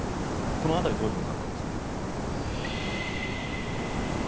この辺りどういうふうにお考えですか？